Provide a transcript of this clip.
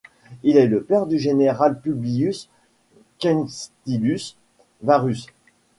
Il est le père du général Publius Quinctilius Varus.